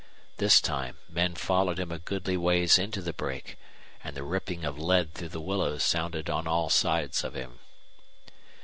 This time men followed him a goodly ways into the brake, and the ripping of lead through the willows sounded on all sides of him.